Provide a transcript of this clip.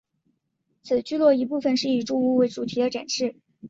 此聚落一部份是以住屋为主题的展示。